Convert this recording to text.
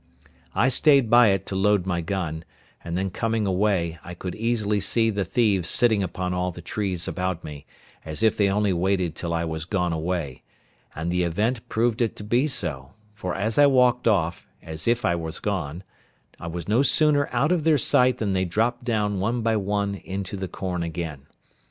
I stayed by it to load my gun, and then coming away, I could easily see the thieves sitting upon all the trees about me, as if they only waited till I was gone away, and the event proved it to be so; for as I walked off, as if I was gone, I was no sooner out of their sight than they dropped down one by one into the corn again.